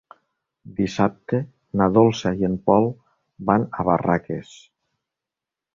Dissabte na Dolça i en Pol van a Barraques.